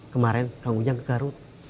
kemarin kang ujang ke garut